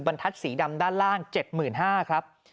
บรรทัศน์สีดำด้านล่าง๗๕๐๐ครับ